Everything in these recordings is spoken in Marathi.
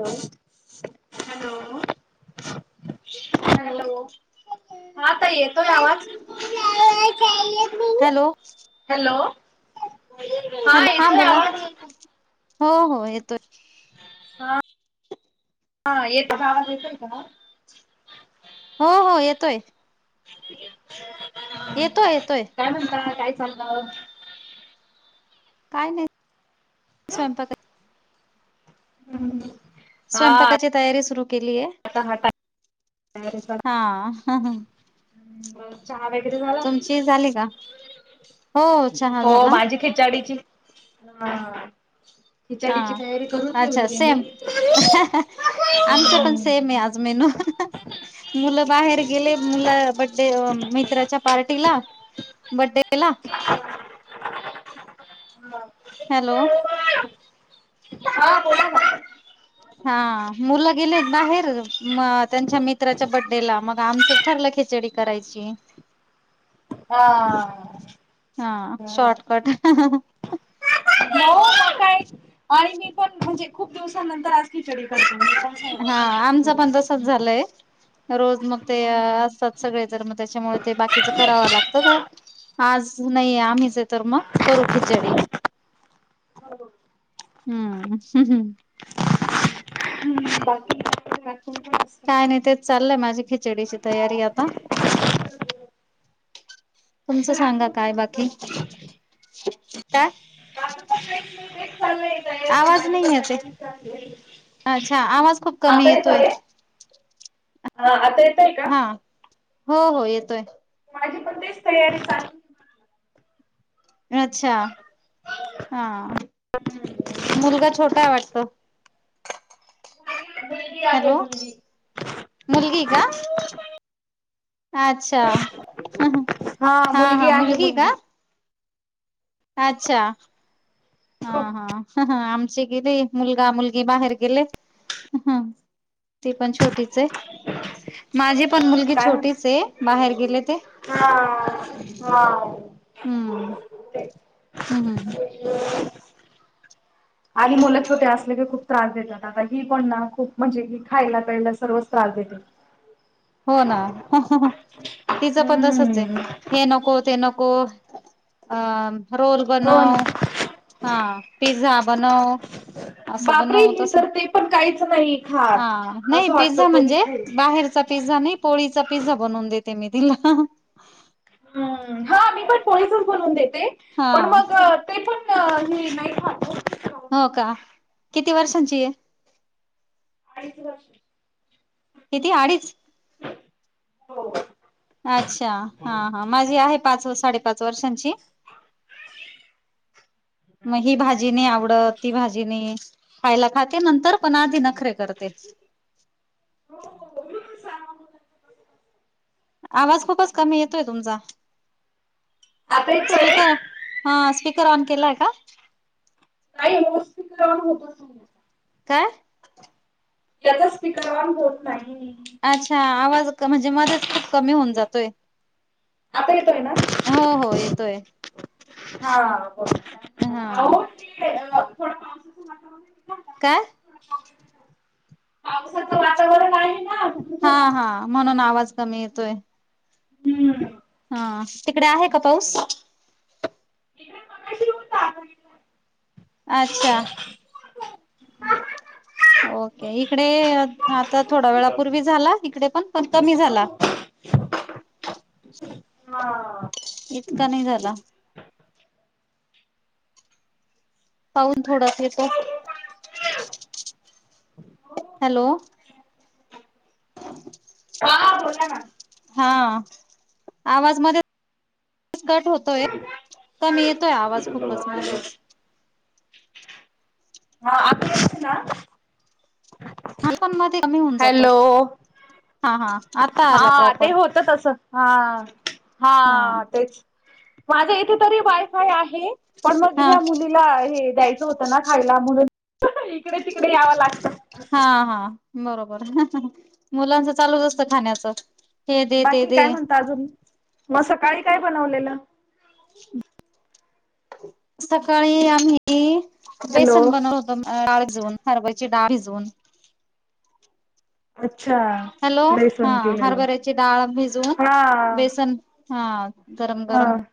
हॅलो हॅलो हॅलो हा ताई येतोय आवाज. हॅलो हॅलो हॅलो हा येतोय बोला. आवाज हो हो येतोय. हा हा एकच आवाज येतोय का. हो हो येतोय. येतोय येतोय काय म्हणता काय चालल. काय नाही स्वयंपाका हम्म स्वयंपाकाची तयारी सुरु केलीय ह ह [unintelligible] हा बरं चहा वगैरे झाला? तुमची झाली का हो चहा हो झाला माझी खिचडीची हा हा खिचडीची तयारी करून ठेवली अच्छा आहे सेम मी. आमचं पण सेम आहे आज मेनू मुलं बाहेर गेले मुलं बर्थडे मित्राच्या पार्टीला बर्थडे ला [unintelligible] हा हॅलो हा बोला ना हा मुलं गेलेत बाहेर त्यांच्या मित्राच्या बडेला मग आमचं ठरलं खिचडी करायची. हा हा बरं शॉर्टकट हो मग काय आणि मी पण म्हणजे खूप दिवसानंतर खिचडी करते सारखं सारखं हा खिचडी आमचा करत पण तसच नाही झालंय रोज मग ते असतात सगळे तर मग त्याच्यामुळे ते बाकीच करावं लागतं. आज नाहीे आम्हीच आहे तर मग करू खिचडी. हम्म ह बाकी का [unintelligible] काय नाही तेच चाललंय माझी खिचडीची तैयारी आता तुमचं सांगा राखून काय पण असत. बाकी काय? हेच चालू आहे तैयारी आवाज माझी नाही येते तैयारी चालू आहे. अच्छा आवाज खूप कमी येतोय. हा आता येतोय का? हा हो हो येतोय माझी पण तेच तैयारी चालू अच्छा हा मुलगा छोटा हाय वाटतो ी हॅलो आहेी मुलगी का [unintelligible] अच्छा हा हा मुलगी का? अच्छा हा खूप हा आमचे गेले मुलगा मुलगी बाहेर गेले हा ती पण छोटीच आहे. ह माझी पण मुलगी छोटीच आहे बाहेर गेले ते हा हा. हम्म हम्म हम्म हम्म आणि मुलं छोट्या असले की खूप त्रास देतात आता ही पण ना खूप म्हणजे की खायला प्यायला सर्वच त्रास देते. ह हो ना तिचं पण तसंच आहे हम्म. हे नको ते नको अ रोल हो बनव ना हा पिझ्झा बनव असं बापरे बनव ही तसं तर ते पण काहीच नाही खात. नाही असं वाटत पिझ्झा तरी म्हणजे खाईल बाहेर पिझ्झा नाही पोळीचा पिझ्झा बनवून देते मी तिला हम्म हा मी पण पोळीच बनवून देते हा पण मग ते पण हि नाही खात ओ हो का किती वर्षांची आहे? अडीच वर्ष किती अडीच हो अच्छा हा हा माझी आहे पाच साडेपाच वर्षांची मंग ही भांजी नाहीं आवडतं ती भांजी नाहीं पहिलें खायंला खातें नंतर पणं आधी नखरे करतें आवांज खूपचं कमी येतोयं तुमचां आता येतोय स्पीकर हां स्पीकर ऑन केलांय कां नाहीं हो खूंप करां होतो कायं त्यांचा स्टिकर ऑन होतं नाहीं अच्छा आवांज म्हणजे मध्येचं खूंप कमी होऊंन जातोय आता येतोयं नां हो हो येतोयं हां अगं बोल ठीक हा आहे नां थोडं पावसाचं वातांवरण कायं पावसाचं वातांवरण आहे ना तिकडे थोडा हां प्रॉब्लेम हां म्हणून आवांज कमी येतोयं हम्मं हां तिकडे आहे कां पाऊस अच्छा [unintelligible] ओके इकडे आता थोंडा वेळापूर्वी झालां इकडे पणं पणं कमी झालां ह [unintelligible] हां इतकां नाहीं झालां पाऊसन थोडांस येतों [unintelligible] हॅलो कां बोलां नां हां आवांज मध्येचं कंट होतों यं कमी येतोयं आवांज खूपचं मध्येचं हां आपलेच नां आ पणं मध्यें कमी होऊन जातो हॅलो. हां हां आतां आलां प्रॉपर हां हा हां तेचं माझ्यां इथे तरी वायफांय आहे पणं मंग हा ह्यां मुलीलां हे द्यायचं होतं नां खांयला म्हणूंन इकडे तिकडे यावं लागतं हां हां बरोबर मुलांचं चालूंच असतें खाण्यांच बाकी कायं म्हणतां अजूंन मंग सकाळीं कायं बनवलेलं सकाळीं आम्हीं की हॅलो बेसंन बनवलं होतं डाळं भिजवूंन हरभ्यांची डाळं भिजवूंन अच्छा हॅलो बेसन हां केलेलं हरभऱ्यांची डाळं भिजवूंन हा बेसंन हां गरमं हा गरमं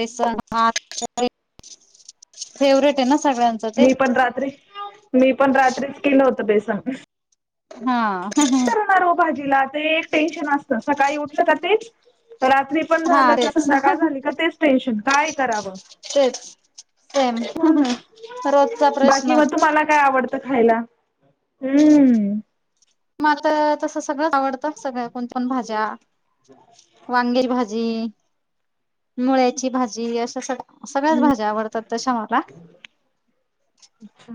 बेसंन भातं फेवरेट आहे नां सगळ्यांच मी पणं रात्री मी पणं रात्रीचं केलं होतं बेसनं हां हं कायं हो भाजीलां ते एक टेन्शन असतं सकाळीं उठलं कां तेचं रात्री पणं हा झालं कां तेच संध्याकांळ झालीं कां तेचं टेन्शनं कायं करावं तेचं हो नां रोजचा बाकी प्रश्न मंग तुम्हांला कायं आवडतं खांयला हम्मं मलां तसं सगळं आवडतं सगळ्यां कोणं पणं भाज्यां वांगेची भाजी मुळ्याची भाजी अशा सग सगळ्याच भाज्या आवडतात तशा मला अच्छा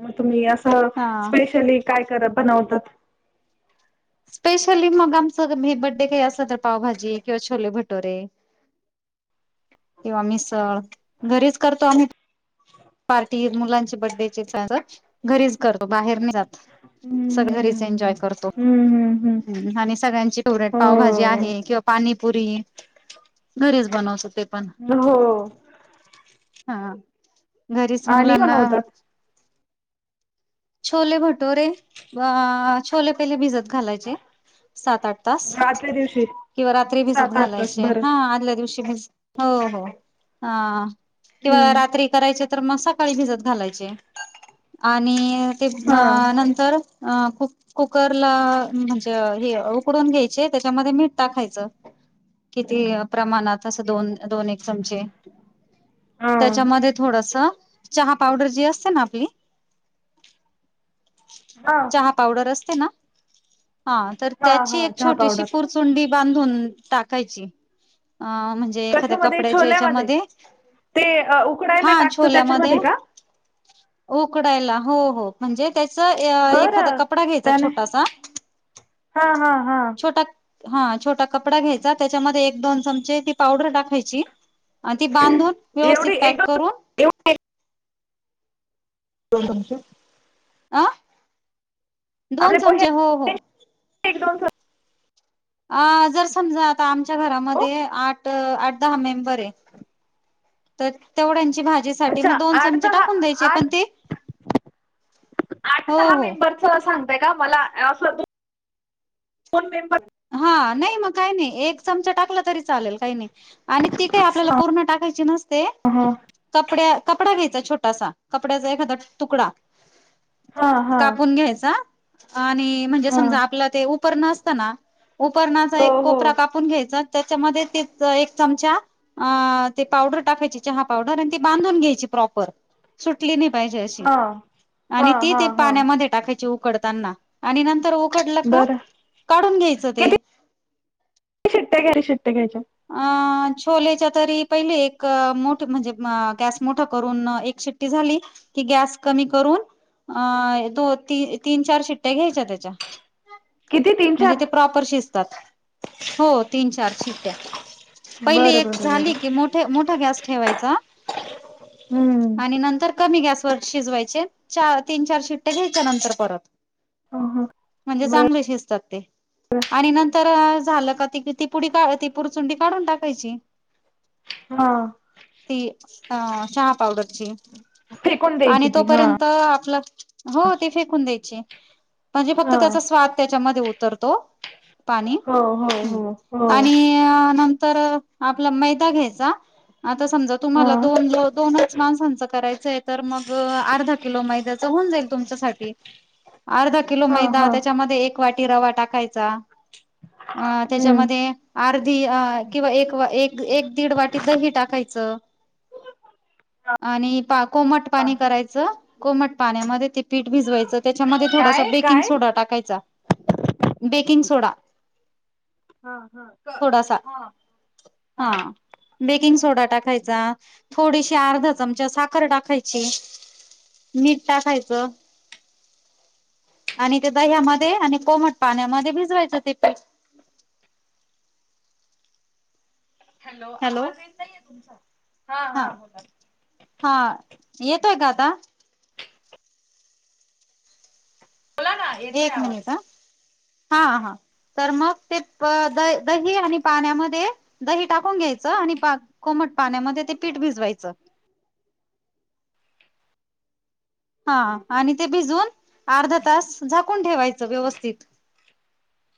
मग तुम्ही असं हा स्पेशली काय क बनवतात स्पेशली मग आमचं हे बड्डे काही असल तर पावभाजी किंवा छोले भटोरे [unintelligible] किंवा मिसळ घरीच करतो आम्ही पार्टी मुलांचे बड्डेची स घरीच करतो बाहेर नाही जात सगळे घरीच हम्म. एन्जॉय करतो हम्म हम्म हम्म आणि सगळ्यांची फेवरेट पावभाजी आहे किंवा पाणी पुरी घरीच बनवतो ते पण हो हो हा घरीच आणि मुलांना बनवतात. छोले भटोरे व छोले पहिले भिजत घालायचे सात आठ तास पाचल्या दिवशी किंवा रात्री भिजत सात आठ तास घालायचे भर हा आदल्या दिवशी भिज हो हो किंवा हम्म. रात्री करा मग सकाळी भित घालाय आणि हा तर क कुला म्हणजे उकडून घ्यायचे त्याच्यामध्ये मीठ टा खायचं किती प्रमाणात अस दोन दोन एक चमचे हा त्याच्यामध्ये थोडस चहा पावडर जी असते ना आपली हा [unintelligible] हा हा चहा पावडर सुंडी बांधून टाकायची अ म्हणजे एखाद्या कशामध्ये कपड्याच्या छोल्यामध्ये याच्यामध्ये ते उकडायला हा टाकतो छोल्यामध्ये त्याच्यामध्ये का उकडायला हो हो म्हणजे त्याच एखादा बरं कपडा घ्यायचा त्याने छोटासा हा हा हा छोटा हा छोटा कपडा घ्यायचा त्याच्यामध्ये एक दोन चमचे ती पावडर टाकायची आणि तेी बांधून व्यवस्थित एवढी एक पॅक करून दोन कोस अ दोन चमचे हो हो एकदमर अ जर समजा आता आमच्या घरामध्ये आठ आठ दहा मेंबर तर तेवढ्यांची भाज अच्छा मग दोन आठ चमचे दहा टाकून द्यायचे आठ पण ते हो हो अस सांगताय का मला असं दोन मेंबर हा नाही मग काही नाही एक चमचा टाकला तरी चालेल काही नाही आणि ती काय आपल्याला हा पूर्ण टाकायची नसते हा कपड्या कपडा घ्यायचा छोटासा कपड्याचा एखादा तुकडा हा कापून घ्यायचा आणि म्हणजे हा समजा आपलं ते उपर नसतना उपरणाचा हो एक हो कोपरा कापून घ्यायचा त्याच्यामध्ये ते एक चमचा अ ते पावडर टाकायची चहा पावडर आणि ते बांधून घ्यायची प्रॉपर सुटली नाही पाहिजे अशी हा हा आणि ती हा ते हा पाण्यामध्ये टाकायची उकडताना आणि नंतर उकडलं का बरं काढून घ्यायचं ते किती शिट्ट्या घ्याली शिट्ट्या घ्यायच्या अ छोलेच्या तरी पहिले एक मोठ म्हणजे गॅस मोठ करून एक श झाली की गॅस कमी करून अ दोी तीन चार शिट्ट्या घ्यायच्या त्याच्या किती तीन म्हणजे ते चार प्रपर शजतात तीन चार पहिली बरं एक बरं बरं झाली की मोठ मोठा गॅस ठेवायचा हम्म आणि नंतर कमी गॅसवरर शिजवायचे चार तीन चार शिट्टे घ्यायच्या नंतर परत ह ह म्हणजे बर चांगले शिजतात ते. आणि नंतर झालं का त ती पुढ का ती पुरचुंडी काढून टाकायची. हा. ती चहा पावडरची फेकून द्यायची आणि ती हा तोपर्यंत आपलं. हो ते फेकून द्यायची म्हणजे फक्त हा त्याचा स्वाद त्याच्यामध्ये उतरतो. पाणी हो हो ह हो हो आणि त्यानंतर आपला मैदा घ्यायचा आता समजा हा तुम्हाला दोनो दोनच माणसांचं करायचंय तर मग अर्धा किलो मैद्याच होऊन जाईल तुमच्यासा अर्धा किलो हा मैदा हा त्याच्यामध्ये एक. वाटी रवा टाकायचा अ हम्म त्याच्यामध्ये अर्धी अ. किंवा एक एक एक दीड वाटी दही टाकायचं. आणि पा कोमट पाणी करायचं. कोमट पाण्यामध्ये ते पीठ भिजवायचं त्याच्यामध्ये थोडासा काय बेकिंग काय सोडा टाकायचा. Baking soda. हा हा. थोडासा हा हा. बेकिंग सोडा टाकायचा थोडीशी अर्धा चमचा साखर टाकायची. मीठ टाकायचं. आणि ते दह्यामध्ये आणि कोमट पाण्यामध्ये भिजवायचं ते प हॅलो आवाज येत नाहीये तुमचा हा हा बोला. हा येतोय का आता? बोला ना येतोय एक मिनिट आवाज ह हा हा. तर मग ते द दही आणि पाण्यामध्ये. दही टाकून घ्यायचं आणि बा कोमट पाण्यामध्ये ते पीठ भिजवायचं. हा आणि ते भिजून अर्ध तास झाकून ठेवायचं व्यवस्थित.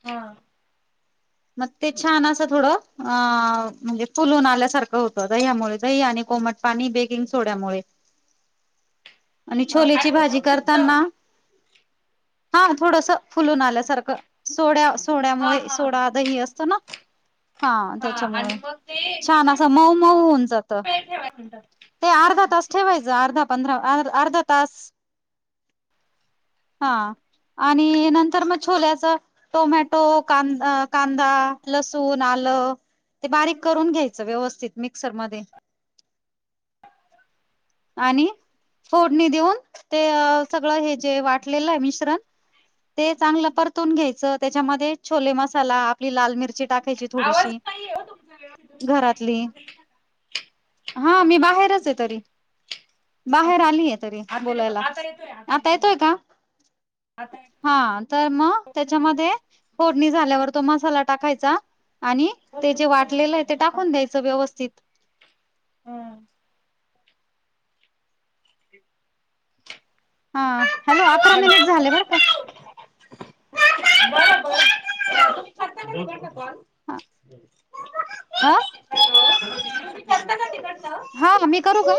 हा. मग ते छान असं थोडं अ म्हणजे फुलून आल्यासारखं होतं दह्यामुळे दही आणि कोमट पाणी बेकिंग सोड्यामुळे. [inaudible] आणि काय छोलेची भाजी होतं कर. फुगत त्यांना हा थोडस फुलून आल्यासारखं. सोड्या हा सोड्यामुळे हा सोडा दही असतो ना. हा त्याच्यामुळे आणि मग ते छान किती असं मऊ मऊ होऊन जात. वेळ ठेवाय म्हणतात ते अर्धा तास ठेवायचं अर्धा पंधरा अर्धा तास. [unintelligible] हा आणि नंतर मग छोल्याच टोमॅटो कांद कांदा लसूण आलं ते बारीक करून घ्यायचं व्यवस्थित मिक्सरमध्ये. [inaudible] आणि फोडणी देऊन ते सगळं हे जे वाटलेलं आहे मिश्रण. ते चांगलं परतून घ्यायच त्याच्यामध्ये छोले मसाला. आपली लाल मिरची टाकायची थोडीशी घरातली. हा मी बाहेरच आहे तरी. बाहेर अच्छा आलीय तरी आता येतो बोलायला आता येतोय आता येतोय आता हा तर मग त्याच्यामध्ये फोडणी झाल्यावर तो मसाला टाकायचा. आणि ते जे बोल वाटलेलं आहे ते हा टाकून द्यायचं व्यवस्थित. हम्म. हा हॅलो हा अकरा मिनिट झाले बरं का? हॅलो [unintelligible] अ [unintelligible] हा मी करू का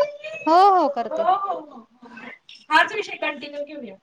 हो हो कर हो हो हो हाच विषय कंटिन्यू घेऊया.